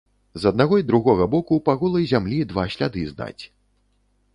З аднаго й другога боку па голай зямлі два сляды знаць.